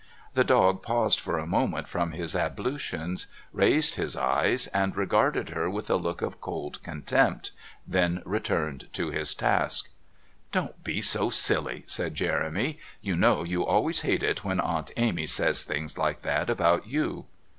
The dog paused for a moment from his ablutions, raised his eyes, and regarded her with a look of cold contempt, then returned to his task. "Don't be so silly," said Jeremy. "You know you always hate it when Aunt Amy says things like that about you."